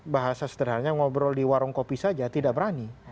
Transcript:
bahasa sederhana ngobrol di warung kopi saja tidak berani